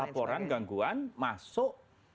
laporan gangguan masuk